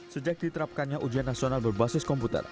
sejak diterapkannya ujian nasional berbasis komputer